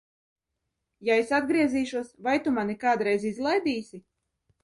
Ja es atgriezīšos, vai tu mani kādreiz izlaidīsi?